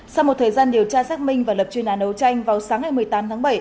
sau một thời gian điều tra xác minh và lập chuyên án đấu tranh vào sáng ngày một mươi tám tháng bảy